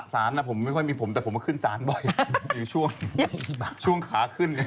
สารผมไม่ค่อยมีผมแต่ผมมาขึ้นศาลบ่อยอยู่ช่วงขาขึ้น